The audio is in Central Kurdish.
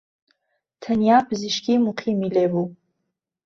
تەنیا پزیشکیی موقیمی لێبووە